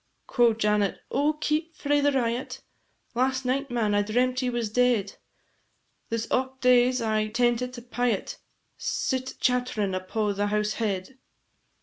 Quo' Janet, "Oh, keep frae the riot! Last night, man, I dreamt ye was dead; This aught days I tentit a pyot Sit chatt'rin' upo' the house head.